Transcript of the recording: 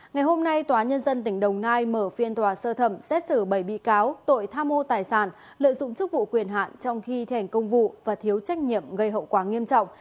ngày hôm nay tòa nhân dân tỉnh đồng nai mở phiên tòa sơ thẩm xét xử bảy bị cáo tội tham ô tài sản lợi dụng chức vụ quyền hạn trong khi thành công vụ và thiếu trách nhiệm gây hậu quả nghiêm trọng